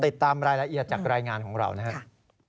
ติดตามรายละเอียดจากรายงานของเรานะครับ